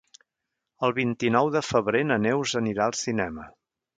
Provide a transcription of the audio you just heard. El vint-i-nou de febrer na Neus anirà al cinema.